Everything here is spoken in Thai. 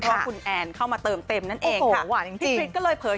พอคุณแอนเข้ามาเติมเต็มนั่นเองค่ะพี่พลิกก็เลยเพิ่งโอ้โฮหวานจริง